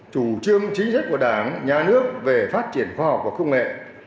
chủ trương chính sách của đảng nhà nước về phát triển khoa học và công nghệ